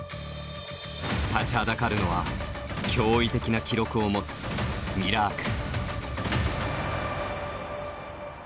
立ちはだかるのは驚異的な記録を持つミラーク。